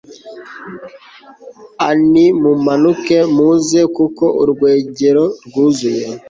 a Nimumanuke muze kuko urwengero rwuzuye